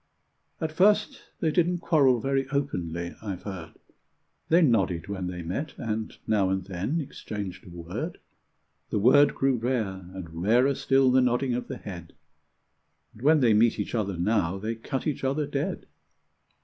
At first they didn't quarrel very openly, I've heard; They nodded when they met, and now and then exchanged a word: The word grew rare, and rarer still the nodding of the head. And when they meet each other now, they cut each other dead.